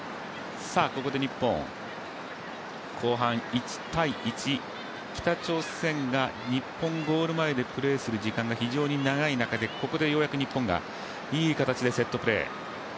ここで日本、後半１−１、北朝鮮が日本ゴール前でプレーする時間が非常に長い中でここでようやく日本がいい形でセットプレー。